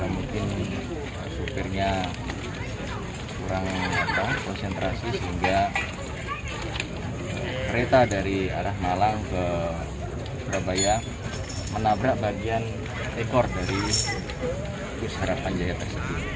mungkin supirnya kurang konsentrasi sehingga kereta dari arah malang ke surabaya menabrak bagian ekor dari bus harapan jaya tersebut